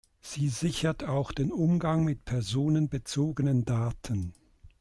Sie sichert auch den Umgang mit personenbezogenen Daten.